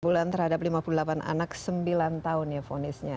bulan terhadap lima puluh delapan anak sembilan tahun ya vonisnya